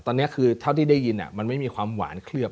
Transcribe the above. ตอนนี้คือเท่าที่ได้ยินมันไม่มีความหวานเคลือบ